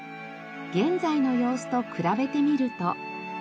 現在の様子と比べてみると。